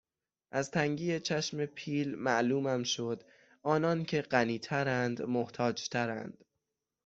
از تنگی چشم پیل معلومم شد آنان که غنی ترند محتاج ترند